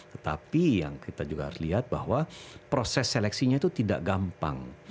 tetapi yang kita juga harus lihat bahwa proses seleksinya itu tidak gampang